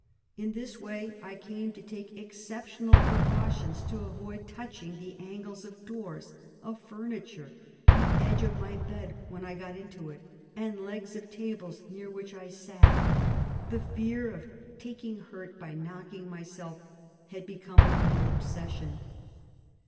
In this way I came to take 26 RESEARCH DEFENCE SOCIETY exceptional precautions to avoid touching the angles of doors, of furniture, the edge of my bed when I got into it, and legs of tables near which I sat. The fear of taking hurt by knocking myself had become a real obsession.